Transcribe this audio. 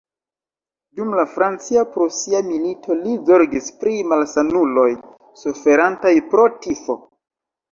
Dum la Francia-Prusia Milito li zorgis pri malsanuloj suferantaj pro tifo.